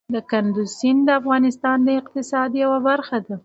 کندز سیند د افغانستان د اقتصاد یوه برخه ده.